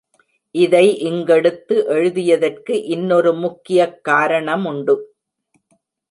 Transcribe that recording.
இதை இங்கெடுத்து எழுதியதற்கு இன்னொரு முக்கியக்காரணமுண்டு.